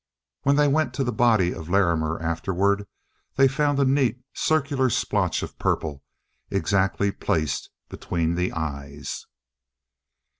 When they went to the body of Larrimer afterward, they found a neat, circular splotch of purple exactly placed between the eyes.